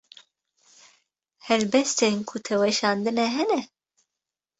Helbestên ku te weşandine hene?